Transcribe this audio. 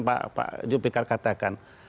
pak jopekar katakan